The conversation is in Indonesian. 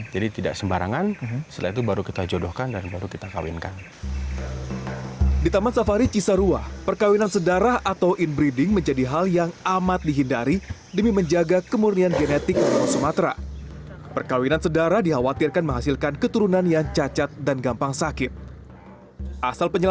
jadi tidak sembarangan setelah itu baru kita jodohkan dan baru kita kembali